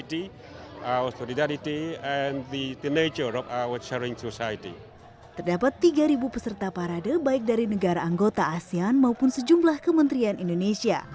terdapat tiga peserta parade baik dari negara anggota asean maupun sejumlah kementerian indonesia